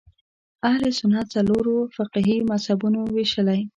اهل سنت څلورو فقهي مذهبونو وېشل